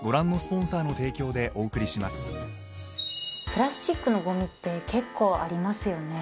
プラスチックのごみって結構ありますよね。